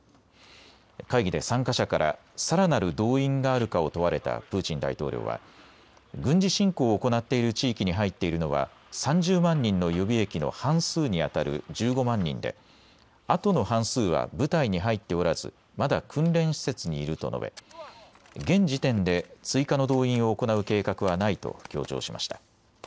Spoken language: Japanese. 会議で参加者からさらなる動員があるかを問われたプーチン大統領は軍事侵攻を行っている地域に入っているのは３０万人の予備役の半数にあたる１５万人であとの半数は部隊に入っておらずまだ訓練施設にいると述べ、現時点で追加の動員を行う計画はないと強調しました。